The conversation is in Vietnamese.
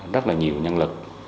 rất là nhiều nhân lực